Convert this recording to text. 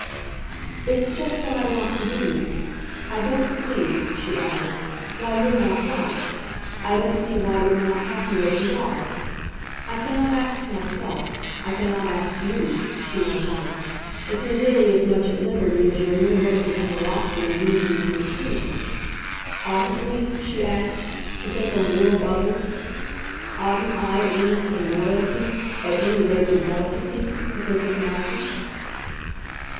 "It's just what I want to be. I don't see," she added, "why you're not right, I don't see why you're not happy, as you are. I can not ask myself, I can not ask YOU," she went on, "if you're really as much at liberty as your universal generosity leads you to assume. Oughtn't we," she asked, "to think a little of others? Oughtn't I, at least, in loyalty at any rate in delicacy to think of Maggie?"